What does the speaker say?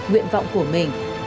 nguyện vọng của mình